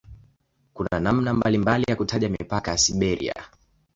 Kuna namna mbalimbali ya kutaja mipaka ya "Siberia".